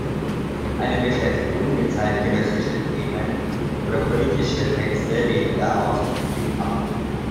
Eine Beschäftigung mit zeitgenössischen Themen oder politische Texte lehnt er ausdrücklich ab.